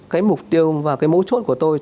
cái mục tiêu và cái mấu chốt của tôi